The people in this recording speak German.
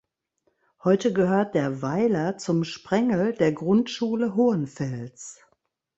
Heute gehört der Weiler zum Sprengel der Grundschule Hohenfels.